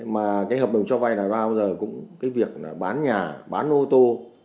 mà cái hợp đồng cho vay là bao giờ cũng cái việc bán nhà bán ô tô